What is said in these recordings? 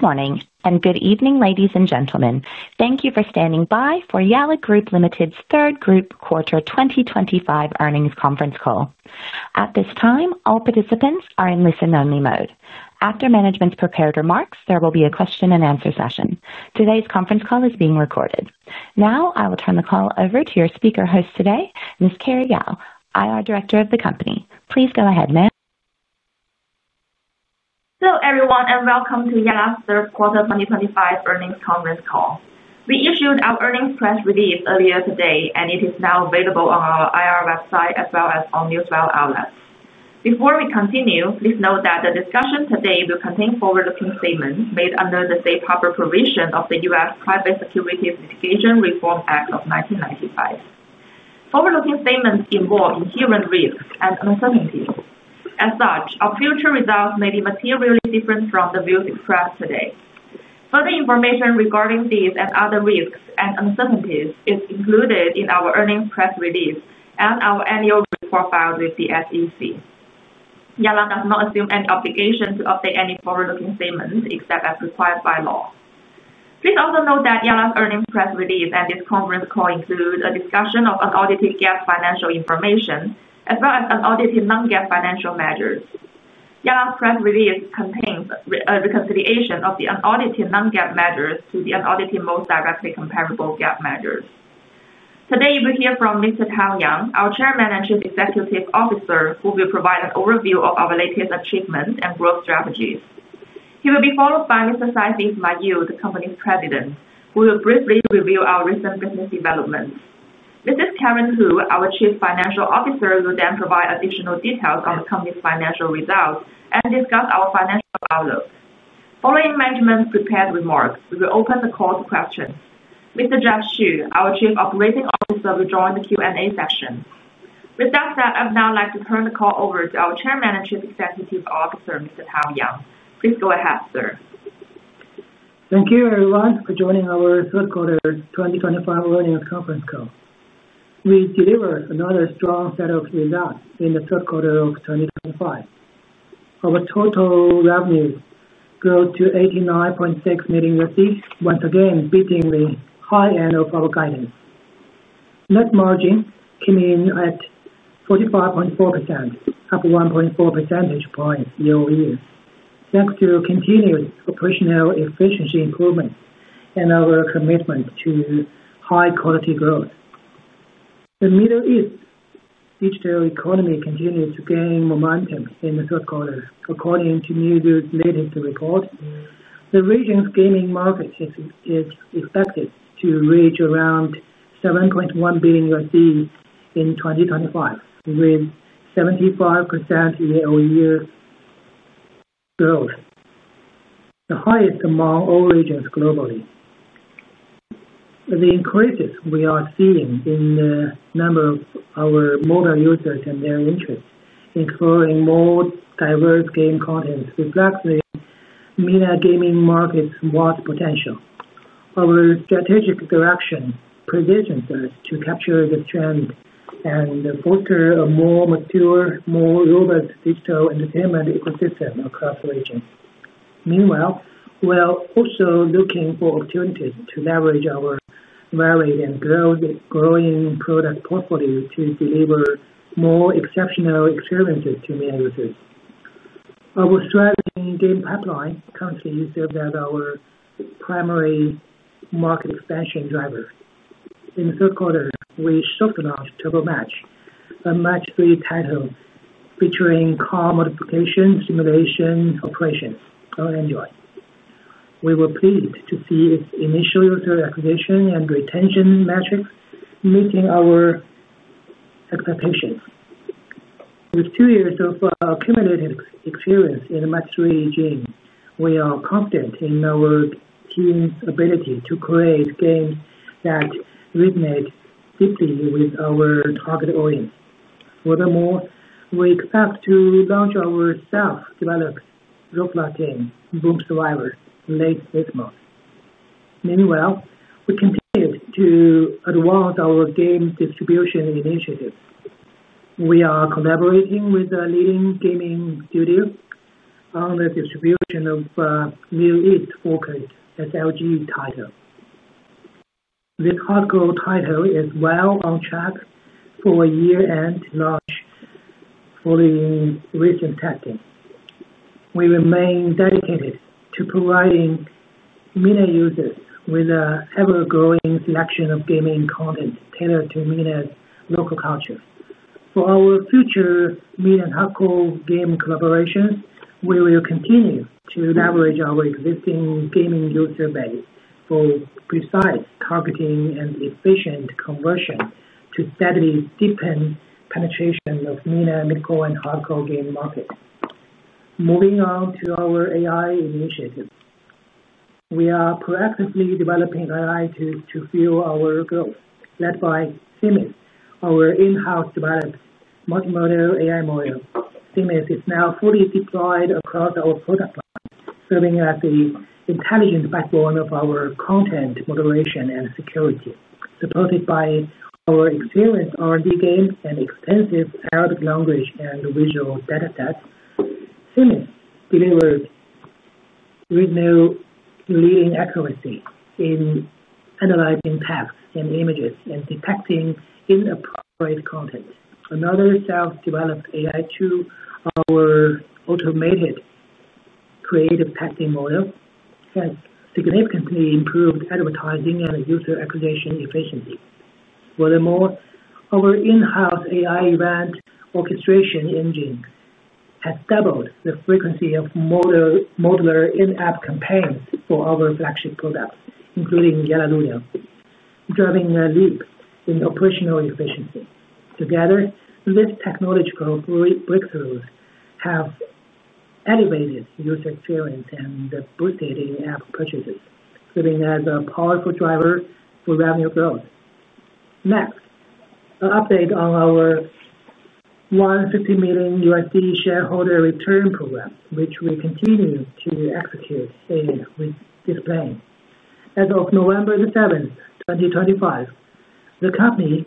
Good morning and good evening, ladies and gentlemen. Thank you for standing by for Yalla Group Limited's third quarter 2025 earnings conference call. At this time, all participants are in listen-only mode. After management's prepared remarks, there will be a question-and-answer session. Today's conference call is being recorded. Now, I will turn the call over to your speaker host today, Ms. Kerry Gao, IR Director of the company. Please go ahead, ma'am. Hello everyone and welcome to Yalla's Third Quarter 2025 earnings conference call. We issued our earnings press release earlier today, and it is now available on our IR website as well as on newswire outlets. Before we continue, please note that the discussion today will contain forward-looking statements made under the Safe Harbor Provision of the U.S. Private Securities Litigation Reform Act of 1995. Forward-looking statements involve inherent risks and uncertainties. As such, our future results may be materially different from the views expressed today. Further information regarding these and other risks and uncertainties is included in our earnings press release and our annual report filed with the SEC. Yalla does not assume any obligation to update any forward-looking statements except as required by law. Please also note that Yalla's earnings press release and this conference call include a discussion of unaudited GAAP financial information as well as unaudited non-GAAP financial measures. Yalla's press release contains a reconciliation of the unaudited non-GAAP measures to the unaudited most directly comparable GAAP measures. Today, you will hear from Mr. Tao Yang, our Chairman and Chief Executive Officer, who will provide an overview of our latest achievements and growth strategies. He will be followed by Mr. Saifi Ismail, the company's President, who will briefly review our recent business developments. Mrs. Karen Hu, our Chief Financial Officer, will then provide additional details on the company's financial results and discuss our financial outlook. Following management's prepared remarks, we will open the call to questions. Mr. Jack Xu, our Chief Operating Officer, will join the Q&A section. With that said, I'd now like to turn the call over to our Chairman and Chief Executive Officer, Mr. Tao Yang. Please go ahead, sir. Thank you everyone for joining our Third Quarter 2025 earnings conference call. We delivered another strong set of results in the Third Quarter of 2025. Our total revenues grew to $89.6 million, once again beating the high end of our guidance. Net margin came in at 45.4%, up 1.4 percentage points year-over-year, thanks to continued operational efficiency improvements and our commitment to high-quality growth. The Middle East digital economy continues to gain momentum in the Third Quarter. According to Newzoo's latest report, the region's gaming market is expected to reach around $7.1 billion in 2025, with 75% year-over-year growth, the highest among all regions globally. The increases we are seeing in the number of our mobile users and their interest in exploring more diverse game content reflects the MENA region gaming market's vast potential. Our strategic direction provisions us to capture the trend and foster a more mature, more robust digital entertainment ecosystem across the region. Meanwhile, we are also looking for opportunities to leverage our varied and growing product portfolio to deliver more exceptional experiences to media users. Our striving game pipeline currently serves as our primary market expansion driver. In the third quarter, we shook the launch of Turbo Match, a match-three title featuring car modification simulation operations on Android. We were pleased to see its initial user acquisition and retention metrics meeting our expectations. With two years of accumulated experience in the match-three genre, we are confident in our team's ability to create games that resonate deeply with our target audience. Furthermore, we expect to launch our self-developed robot game Boom Survivors late this month. Meanwhile, we continue to advance our game distribution initiative. We are collaborating with a leading gaming studio on the distribution of a Middle East-focused SLG title. This hardcore title is well on track for a year-end launch following recent testing. We remain dedicated to providing media users with an ever-growing selection of gaming content tailored to media's local culture. For our future media and hardcore game collaborations, we will continue to leverage our existing gaming user base for precise targeting and efficient conversion to steadily deepen penetration of media and mid-core and hardcore game markets. Moving on to our AI initiatives, we are proactively developing AI tools to fuel our growth. Led by CMIS, our in-house developed multimodal AI model, CMIS is now fully deployed across our product line, serving as the intelligent backbone of our content moderation and security. Supported by our experienced R&D game and extensive Arabic language and visual datasets, CMIS delivers with no leading accuracy in analyzing texts and images and detecting inappropriate content. Another self-developed AI tool, our automated creative testing model, has significantly improved advertising and user acquisition efficiency. Furthermore, our in-house AI event orchestration engine has doubled the frequency of modular in-app campaigns for our flagship product, including Yalla Ludo, driving a leap in operational efficiency. Together, these technological breakthroughs have elevated user experience and boosted in-app purchases, serving as a powerful driver for revenue growth. Next, an update on our $150 million shareholder return program, which we continue to execute and display. As of November 7, 2025, the company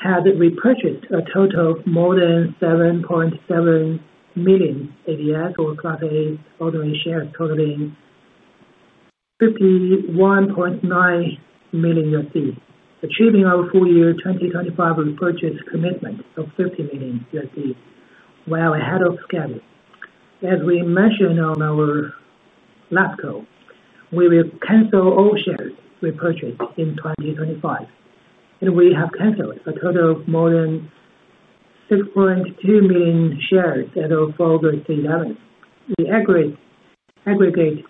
has repurchased a total of more than 7.7 million ADS or Class A ordinary shares, totaling $51.9 million, achieving our full-year 2025 repurchase commitment of $50 million, well ahead of schedule. As we mentioned on our last call, we will cancel all shares repurchased in 2025, and we have canceled a total of more than 6.2 million shares as of August 11. We aggregate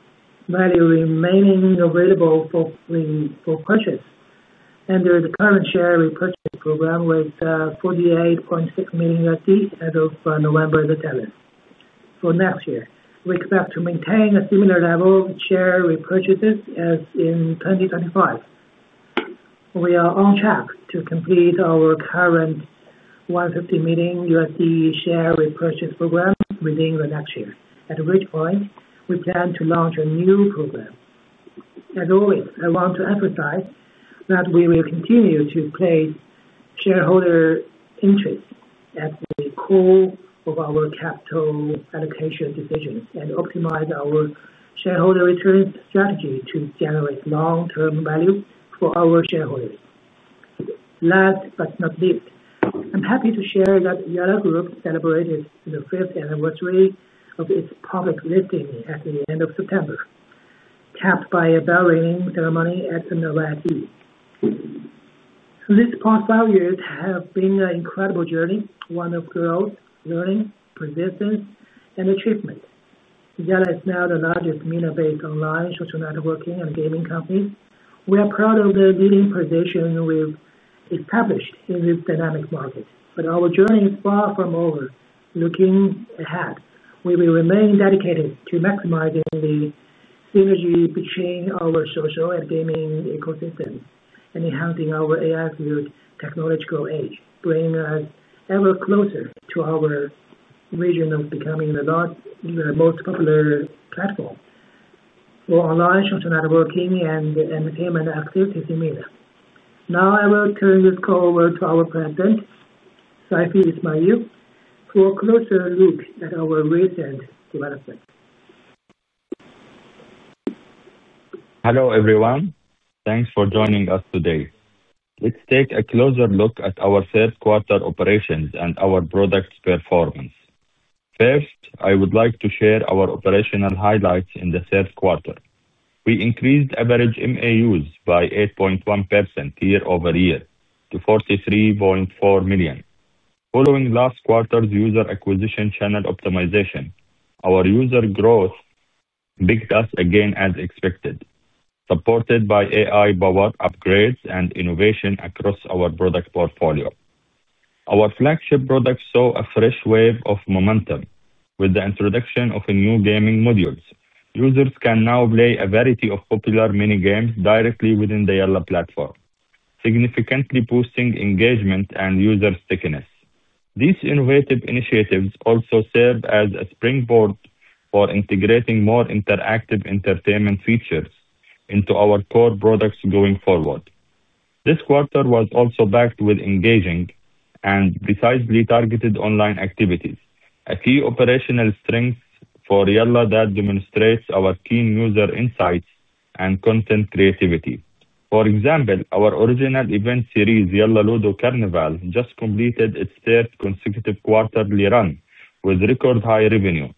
value remaining available for purchase under the current share repurchase program with $48.6 million as of November 11. For next year, we expect to maintain a similar level of share repurchases as in 2025. We are on track to complete our current $150 million share repurchase program within the next year, at which point we plan to launch a new program. As always, I want to emphasize that we will continue to place shareholder interests at the core of our capital allocation decisions and optimize our shareholder return strategy to generate long-term value for our shareholders. Last but not least, I'm happy to share that Yalla Group celebrated the fifth anniversary of its public listing at the end of September, capped by a bell-ringing ceremony at the Nova. These past five years have been an incredible journey, one of growth, learning, persistence, and achievement. Yalla is now the largest media-based online social networking and gaming company. We are proud of the leading position we've established in this dynamic market, but our journey is far from over. Looking ahead, we will remain dedicated to maximizing the synergy between our social and gaming ecosystems and enhancing our AI-fueled technological age, bringing us ever closer to our vision of becoming the most popular platform for online social networking and entertainment activities in MENA. Now, I will turn this call over to our President, Saifi Ismail, for a closer look at our recent developments. Hello everyone. Thanks for joining us today. Let's take a closer look at our third quarter operations and our product performance. First, I would like to share our operational highlights in the third quarter. We increased average MAUs by 8.1% year-over-year to 43.4 million. Following last quarter's user acquisition channel optimization, our user growth beat us again as expected, supported by AI-powered upgrades and innovation across our product portfolio. Our flagship product saw a fresh wave of momentum with the introduction of new gaming modules. Users can now play a variety of popular mini-games directly within the Yalla platform, significantly boosting engagement and user stickiness. These innovative initiatives also serve as a springboard for integrating more interactive entertainment features into our core products going forward. This quarter was also backed with engaging and precisely targeted online activities, a key operational strength for Yalla that demonstrates our keen user insights and content creativity. For example, our original event series, Yalla Ludo Carnival, just completed its third consecutive quarterly run with record-high revenue.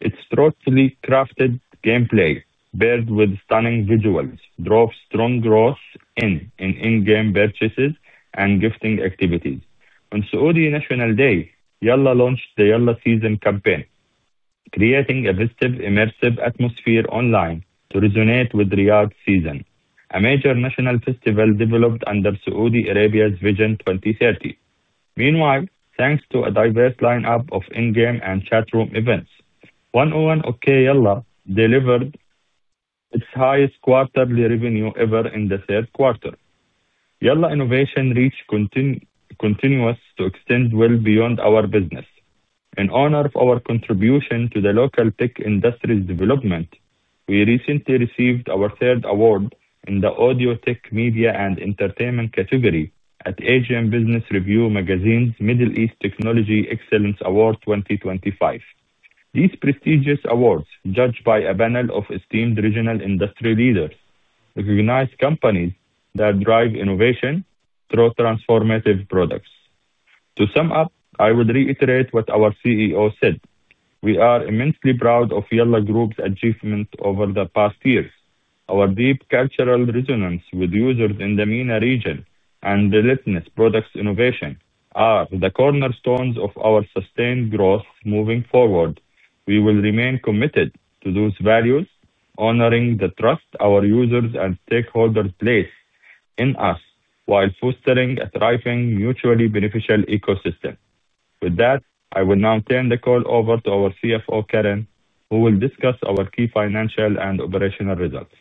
Its thoughtfully crafted gameplay, paired with stunning visuals, drove strong growth in in-game purchases and gifting activities. On Saudi National Day, Yalla launched the Yalla Season campaign, creating a festive, immersive atmosphere online to resonate with Riyadh Season, a major national festival developed under Saudi Arabia's Vision 2030. Meanwhile, thanks to a diverse lineup of in-game and chat room events, 101 Okey Yalla delivered its highest quarterly revenue ever in the third quarter. Yalla innovation reach continues to extend well beyond our business. In honor of our contribution to the local tech industry's development, we recently received our third award in the Audio Tech Media and Entertainment category at Asian Business Review Magazine's Middle East Technology Excellence Award 2025. These prestigious awards, judged by a panel of esteemed regional industry leaders, recognize companies that drive innovation through transformative products. To sum up, I would reiterate what our CEO said. We are immensely proud of Yalla Group's achievements over the past years. Our deep cultural resonance with users in the MENA region and relentless product innovation are the cornerstones of our sustained growth moving forward. We will remain committed to those values, honoring the trust our users and stakeholders place in us while fostering a thriving, mutually beneficial ecosystem. With that, I will now turn the call over to our CFO, Karen, who will discuss our key financial and operational results.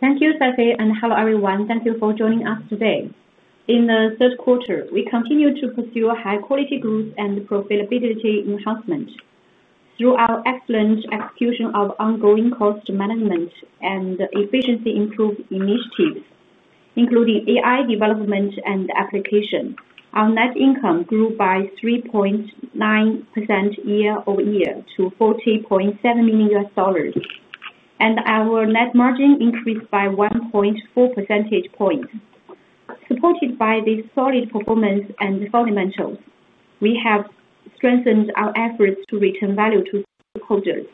Thank you, Saifi, and hello everyone. Thank you for joining us today. In the third quarter, we continue to pursue high-quality growth and profitability enhancement. Through our excellent execution of ongoing cost management and efficiency-improved initiatives, including AI development and application, our net income grew by 3.9% year-over-year to $40.7 million, and our net margin increased by 1.4 percentage points. Supported by this solid performance and fundamentals, we have strengthened our efforts to return value to stakeholders.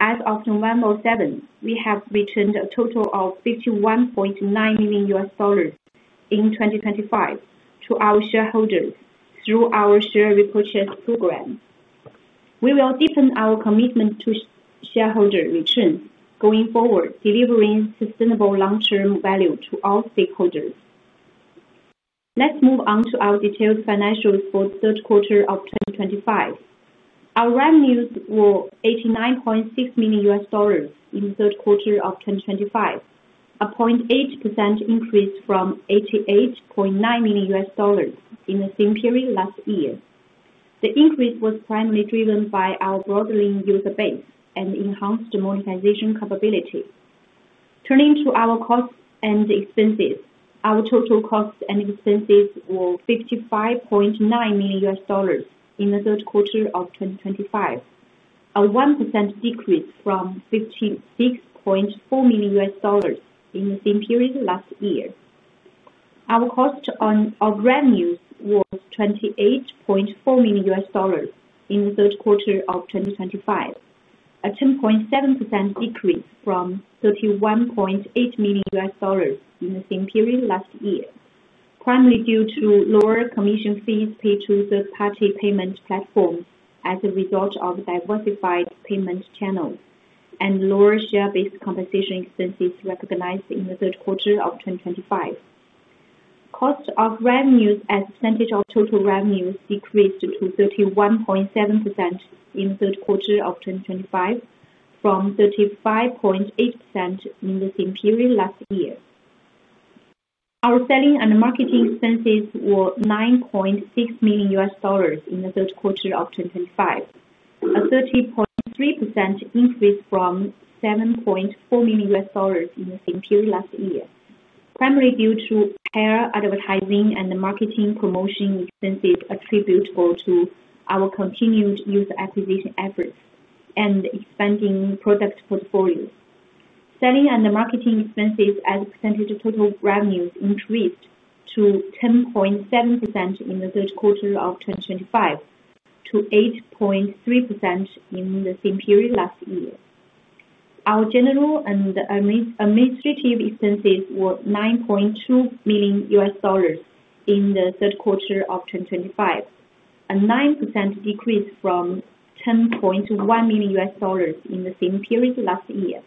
As of November 7, we have returned a total of $51.9 million in 2025 to our shareholders through our share repurchase program. We will deepen our commitment to shareholder returns going forward, delivering sustainable long-term value to all stakeholders. Let's move on to our detailed financials for third quarter of 2025. Our revenues were $89.6 million in the third quarter of 2025, a 0.8% increase from $88.9 million in the same period last year. The increase was primarily driven by our broadening user base and enhanced monetization capability. Turning to our costs and expenses, our total costs and expenses were $55.9 million in the third quarter of 2025, a 1% decrease from $56.4 million in the same period last year. Our cost on our revenues was $28.4 million in the third quarter of 2025, a 10.7% decrease from $31.8 million in the same period last year, primarily due to lower commission fees paid to third-party payment platforms as a result of diversified payment channels and lower share-based compensation expenses recognized in the third quarter of 2025. Cost of revenues as a percentage of total revenues decreased to 31.7% in the Third Quarter of 2025, from 35.8% in the same period last year. Our selling and marketing expenses were $9.6 million in the Third Quarter of 2025, a 30.3% increase from $7.4 million in the same period last year, primarily due to higher advertising and marketing promotion expenses attributable to our continued user acquisition efforts and expanding product portfolio. Selling and marketing expenses as a percentage of total revenues increased to 10.7% in the Third Quarter of 2025, from 8.3% in the same period last year. Our general and administrative expenses were $9.2 million in the Third Quarter of 2025, a 9% decrease from $10.1 million in the same period last year,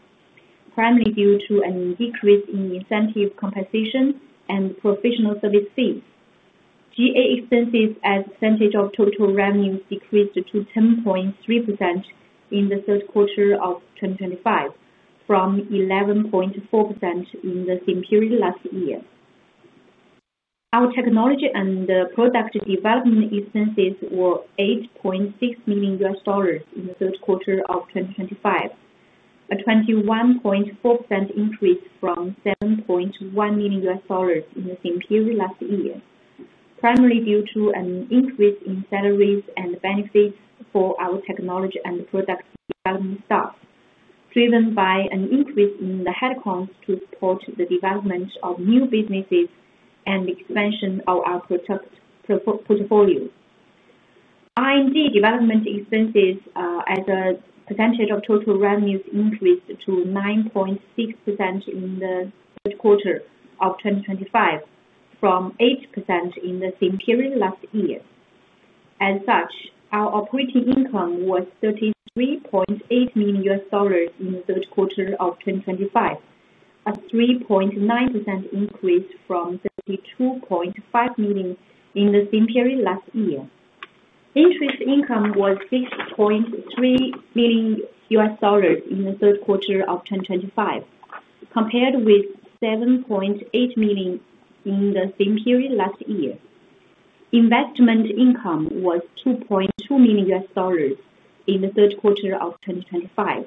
primarily due to a decrease in incentive compensation and professional service fees. GA expenses as a percentage of total revenues decreased to 10.3% in the third quarter of 2025, from 11.4% in the same period last year. Our technology and product development expenses were $8.6 million in the third quarter of 2025, a 21.4% increase from $7.1 million in the same period last year, primarily due to an increase in salaries and benefits for our technology and product development staff, driven by an increase in the headcount to support the development of new businesses and the expansion of our portfolio. R&D development expenses as a percentage of total revenues increased to 9.6% in the third quarter of 2025, from 8% in the same period last year. As such, our operating income was $33.8 million in the third quarter of 2025, a 3.9% increase from $32.5 million in the same period last year. Interest income was $6.3 million in the third quarter of 2025, compared with $7.8 million in the same period last year. Investment income was $2.2 million in the third quarter of 2025,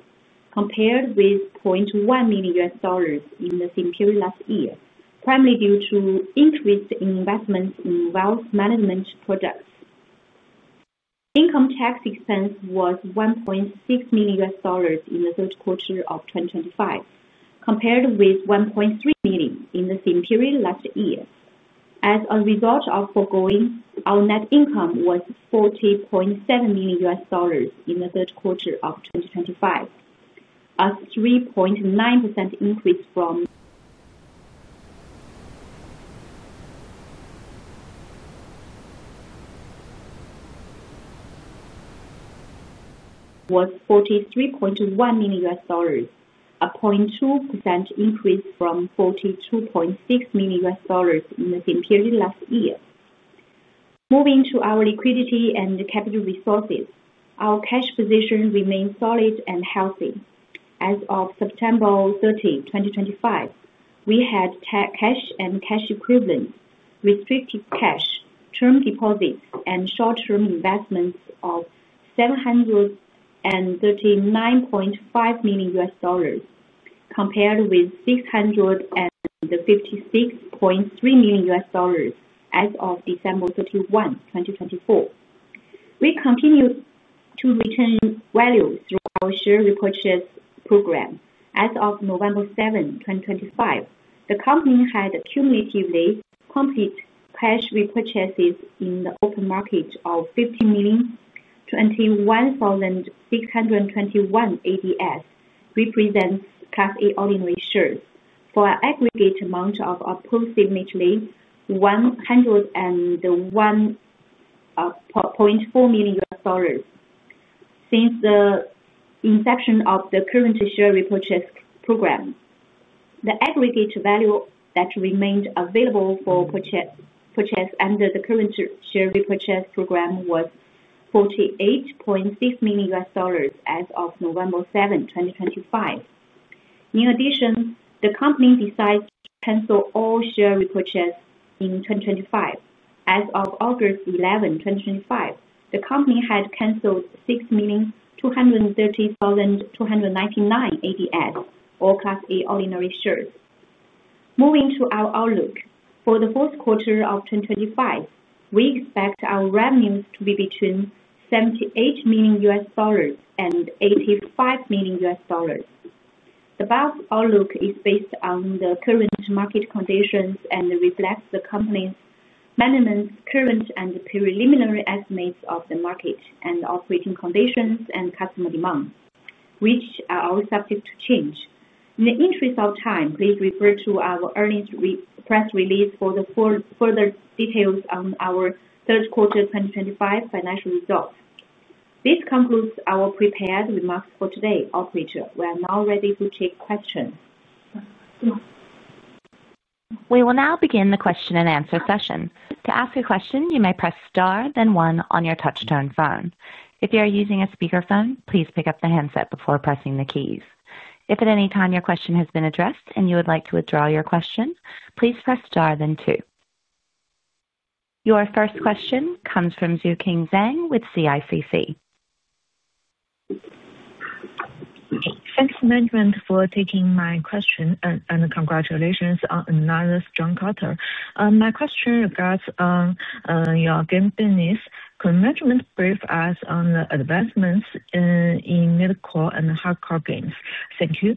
compared with $0.1 million in the same period last year, primarily due to increased investments in wealth management products. Income tax expense was $1.6 million in the third quarter of 2025, compared with $1.3 million in the same period last year. As a result of forgoing, our net income was $40.7 million in the third quarter of 2025, a 3.9% increase from. Was $43.1 million, a 0.2% increase from $42.6 million in the same period last year. Moving to our liquidity and capital resources, our cash position remained solid and healthy. As of September 30, 2025, we had cash and cash equivalents, restricted cash, term deposits, and short-term investments of $739.5 million, compared with $656.3 million as of December 31, 2024. We continued to return value through our share repurchase program. As of November 7, 2025, the company had cumulatively complete cash repurchases in the open market of $50 million. 21,621 ADS represents class A ordinary shares for an aggregate amount of approximately $101.4 million. Since the inception of the current share repurchase program, the aggregate value that remained available for purchase under the current share repurchase program was $48.6 million as of November 7, 2025. In addition, the company decided to cancel all share repurchases in 2025. As of August 11, 2025, the company had canceled 6,230,299 ADS, all class A ordinary shares. Moving to our outlook for the fourth quarter of 2025, we expect our revenues to be between $78 million and $85 million. The above outlook is based on the current market conditions and reflects the company's maintenance, current, and preliminary estimates of the market and operating conditions and customer demand, which are all subject to change. In the interest of time, please refer to our earnings press release for further details on our third quarter 2025 financial results. This concludes our prepared remarks for today, operator. We are now ready to take questions. We will now begin the question and answer session. To ask a question, you may press star, then one on your touch-tone phone. If you are using a speakerphone, please pick up the handset before pressing the keys. If at any time your question has been addressed and you would like to withdraw your question, please press star, then two. Your first question comes from Xueqing Zhang with CICC. Thanks, Management, for taking my question and congratulations on another strong quarter. My question regards your game business. Could Management brief us on the advancements in mid-core and hardcore games? Thank you.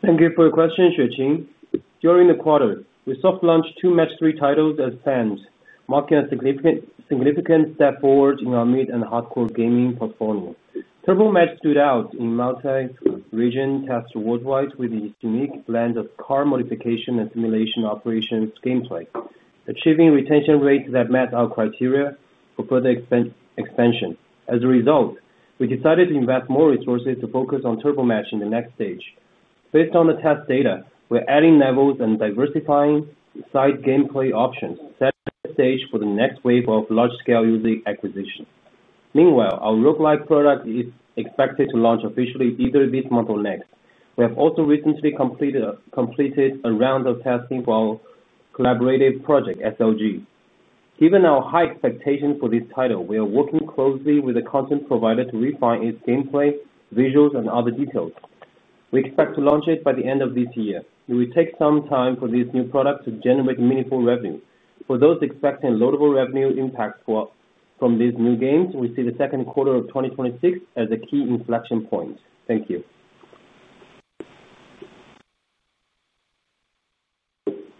Thank you for your question, Xueqing. During the quarter, we soft-launched two match-three titles as planned, marking a significant step forward in our mid and hardcore gaming portfolio. Turbo Match stood out in multi-region tests worldwide with its unique blend of car modification and simulation operations gameplay, achieving retention rates that met our criteria for further expansion. As a result, we decided to invest more resources to focus on Turbo Match in the next stage. Based on the test data, we're adding levels and diversifying side gameplay options to set the stage for the next wave of large-scale music acquisition. Meanwhile, our roguelike product is expected to launch officially either this month or next. We have also recently completed a round of testing for our collaborative project, SLG. Given our high expectations for this title, we are working closely with the content provider to refine its gameplay, visuals, and other details. We expect to launch it by the end of this year. It will take some time for this new product to generate meaningful revenue. For those expecting loadable revenue impacts from these new games, we see the second quarter of 2026 as a key inflection point. Thank you.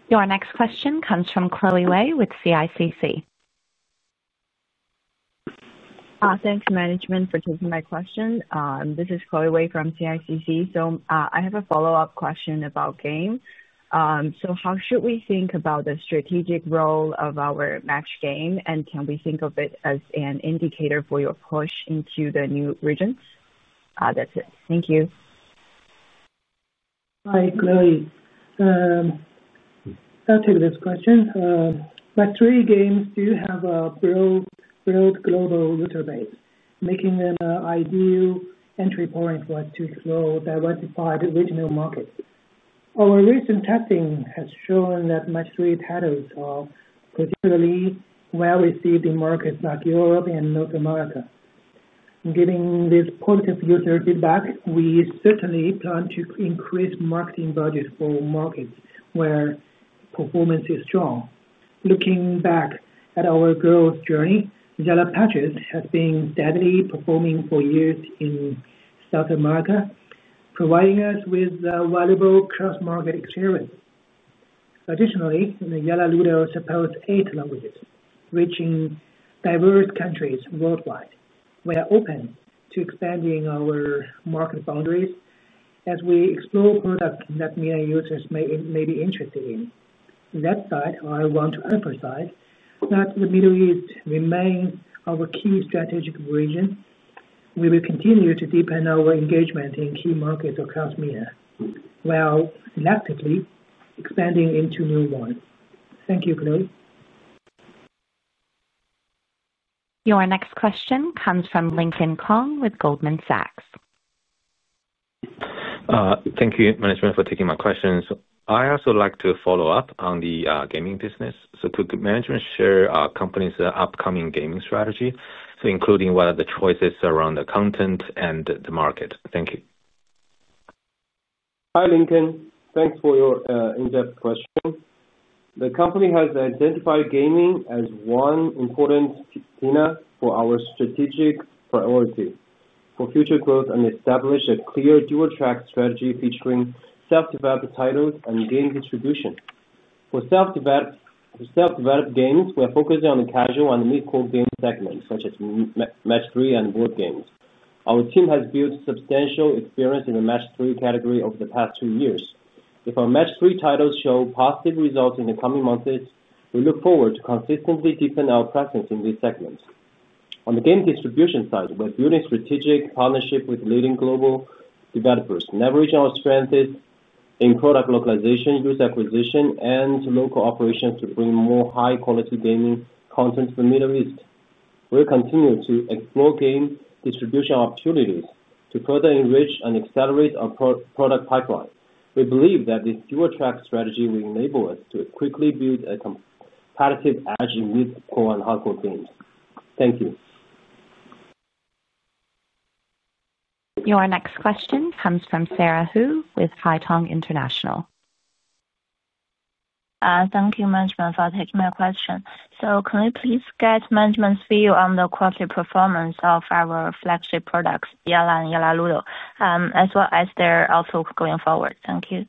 Your next question comes from Chloe Wei with CICC. Thanks, Management, for taking my question. This is Chloe Wei from CICC. I have a follow-up question about game. How should we think about the strategic role of our match game? Can we think of it as an indicator for your push into the new regions? That's it. Thank you. Hi, Chloe. I'll take this question. Match-three games do have a broad global user base, making them an ideal entry point for us to explore diversified regional markets. Our recent testing has shown that match-three titles are particularly well-received in markets like Europe and North America. Given this positive user feedback, we certainly plan to increase marketing budgets for markets where performance is strong. Looking back at our growth journey, Yalla Parchis has been steadily performing for years in South America, providing us with valuable cross-market experience. Additionally, Yalla Ludo supports eight languages, reaching diverse countries worldwide. We are open to expanding our market boundaries as we explore products that many users may be interested in. That said, I want to emphasize that the Middle East remains our key strategic region. We will continue to deepen our engagement in key markets across MENA while actively expanding into new ones. Thank you, Chloe. Your next question comes from Lincoln Kong with Goldman Sachs. Thank you, Management, for taking my questions. I also like to follow up on the gaming business. So could Management share our company's upcoming gaming strategy, including what are the choices around the content and the market? Thank you. Hi, Lincoln. Thanks for your in-depth question. The company has identified gaming as one important pillar for our strategic priority for future growth and established a clear dual-track strategy featuring self-developed titles and game distribution. For self-developed games, we are focusing on the casual and mid-core game segments, such as Match 3 and board games. Our team has built substantial experience in the Match 3 category over the past two years. If our Match 3 titles show positive results in the coming months, we look forward to consistently deepening our presence in these segments. On the game distribution side, we're building strategic partnerships with leading global developers, leveraging our strengths in product localization, user acquisition, and local operations to bring more high-quality gaming content to the Middle East. We'll continue to explore game distribution opportunities to further enrich and accelerate our product pipeline. We believe that this dual-track strategy will enable us to quickly build a competitive edge in mid-core and hardcore games. Thank you. Your next question comes from Sarah Hu with Haitong International. Thank you, Management, for taking my question. So can we please get Management's view on the quarterly performance of our flagship products, Yalla and Yalla Ludo, as well as their outlook going forward? Thank you.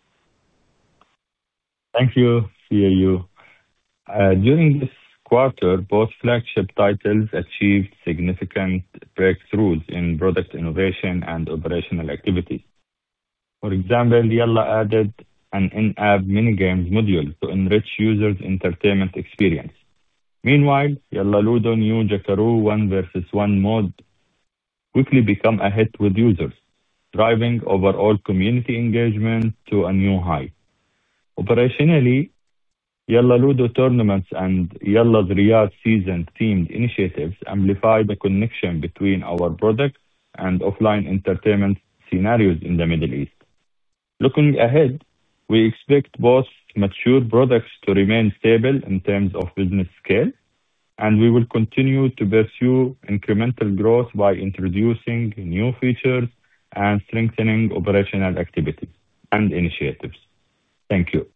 Thank you. See you. During this quarter, both flagship titles achieved significant breakthroughs in product innovation and operational activity. For example, Yalla added an in-app minigames module to enrich users' entertainment experience. Meanwhile, Yalla Ludo New Jacarua 1v1 mode quickly became a hit with users, driving overall community engagement to a new high. Operationally, Yalla Ludo tournaments and Yalla's Riyadh Season themed initiatives amplify the connection between our product and offline entertainment scenarios in the Middle East. Looking ahead, we expect both mature products to remain stable in terms of business scale, and we will continue to pursue incremental growth by introducing new features and strengthening operational activities and initiatives. Thank you.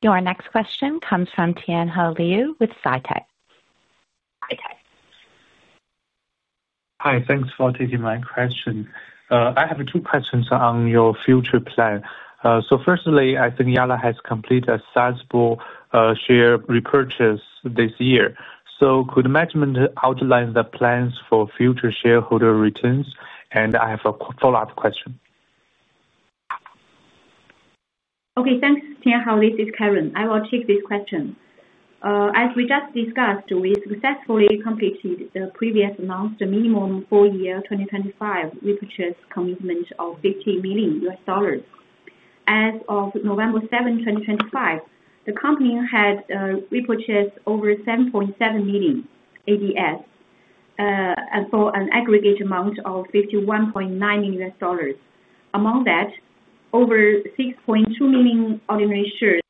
Your next question comes from Tianheng Liu with SciTech. Hi, thanks for taking my question. I have two questions on your future plan. Firstly, I think Yalla has completed a sizable share repurchase this year. Could management outline the plans for future shareholder returns? I have a follow-up question. Okay, thanks, Tianheng. This is Karen. I will take this question. As we just discussed, we successfully completed the previously announced minimum four-year 2025 repurchase commitment of $50 million. As of November 7, 2025, the company had repurchased over 7.7 million ADS for an aggregate amount of $51.9 million. Among that, over 6.2 million ordinary shares'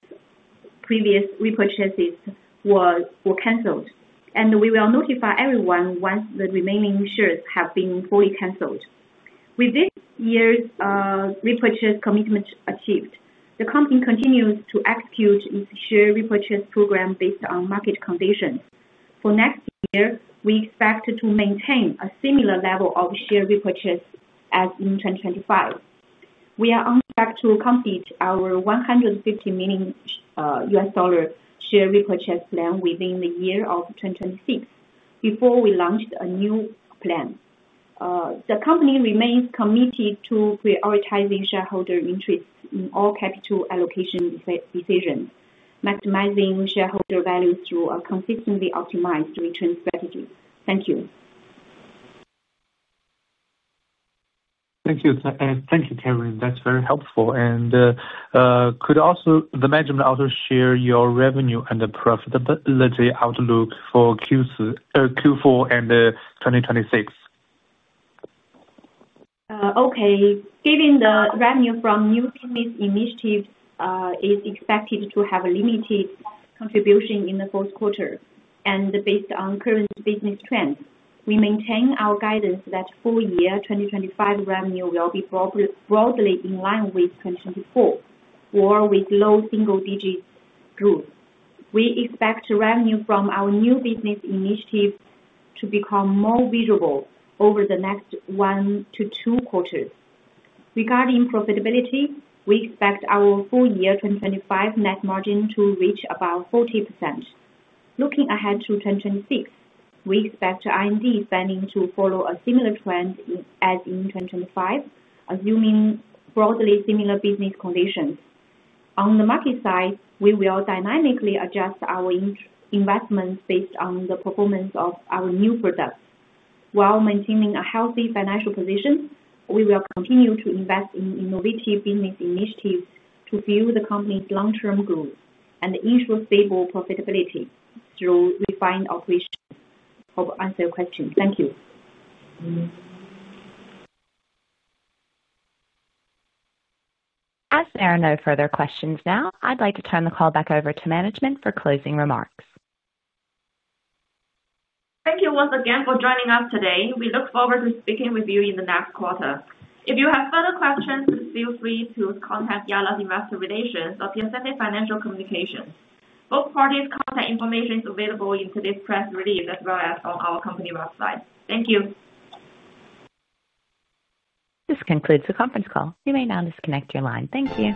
previous repurchases were canceled. We will notify everyone once the remaining shares have been fully canceled. With this year's repurchase commitment achieved, the company continues to execute its share repurchase program based on market conditions. For next year, we expect to maintain a similar level of share repurchase as in 2025. We are expecting to complete our $150 million share repurchase plan within the year of 2026 before we launch a new plan. The company remains committed to prioritizing shareholder interests in all capital allocation decisions, maximizing shareholder value through a consistently optimized return strategy. Thank you. Thank you. Thank you, Karen. That's very helpful. Could the Management also share your revenue and profitability outlook for Q4 and 2026? Okay. Given the revenue from new business initiatives, it is expected to have a limited contribution in the fourth quarter. Based on current business trends, we maintain our guidance that full-year 2025 revenue will be broadly in line with 2024 or with low single-digit growth. We expect revenue from our new business initiatives to become more visible over the next one to two quarters. Regarding profitability, we expect our full-year 2025 net margin to reach about 40%. Looking ahead to 2026, we expect R&D spending to follow a similar trend as in 2025, assuming broadly similar business conditions. On the market side, we will dynamically adjust our investments based on the performance of our new products. While maintaining a healthy financial position, we will continue to invest in innovative business initiatives to fuel the company's long-term growth and ensure stable profitability through refined operations. Hope I answered your question. Thank you. As there are no further questions now, I'd like to turn the call back over to management for closing remarks. Thank you once again for joining us today. We look forward to speaking with you in the next quarter. If you have further questions, please feel free to contact Yalla's investor relations or PSFA Financial Communications. Both parties' contact information is available in today's press release as well as on our company website. Thank you. This concludes the conference call. You may now disconnect your line. Thank you.